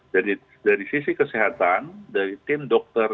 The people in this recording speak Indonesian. jadi dari sisi kesehatan dari tim dokter